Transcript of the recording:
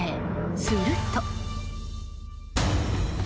すると。